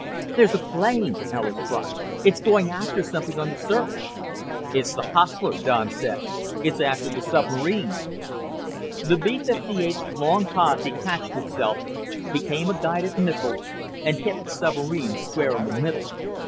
"There's a plane!" Alis cried. "It's going after something on the surface." "It's the Hustler," Don said. "It's after the submarine." The B 58's long pod detached itself, became a guided missile and hit the submarine square in the middle.